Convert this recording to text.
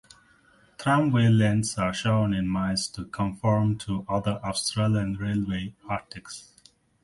Tramway lengths are shown in miles to conform to other Australian railway articles.